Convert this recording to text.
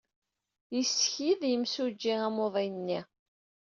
Yessekyed yimsujji amuḍin-nni.